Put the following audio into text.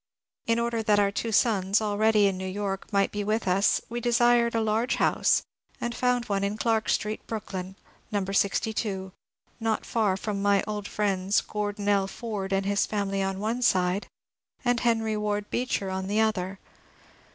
In order that our two sons, already in New York, might be with us, we desired a large house, and found one in Clark Street, Brooklyn, No. 62, not far from my old friends Grordon L. Ford and his family on one side, and Henry Ward Beecher on the other.